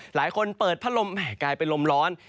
หลายคนเปิดพัดลมแห่กลายเป็นลมร้อน